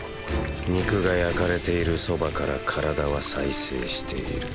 肉が焼かれているそばから体は再生している。